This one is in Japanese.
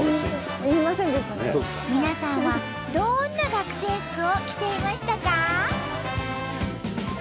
皆さんはどんな学生服を着ていましたか？